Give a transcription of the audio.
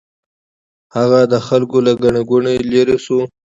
هغه د خلکو له ګڼې ګوڼې لرې شو.